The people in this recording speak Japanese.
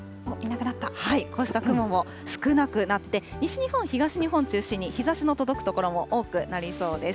こうした雲も少なくなって、西日本、東日本を中心に日ざしの届く所も多くなりそうです。